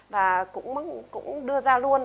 và cũng đưa ra luôn